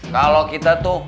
kalau kita tuh